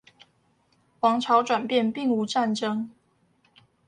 王朝轉變並無戰爭